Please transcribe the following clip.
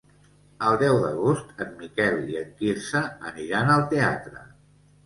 El deu d'agost en Miquel i en Quirze aniran al teatre.